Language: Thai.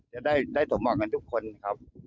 จะได้สมหวังกันทุกคนครับ